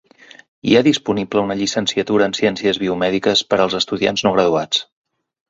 Hi ha disponible una llicenciatura en ciències biomèdiques per als estudiants no graduats.